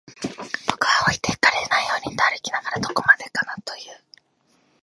僕は置いてかれないように歩きながら、どこまでかなと言う